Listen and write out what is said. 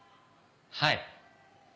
はい。